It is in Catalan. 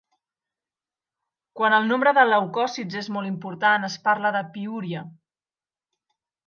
Quan el nombre de leucòcits és molt important es parla de piúria.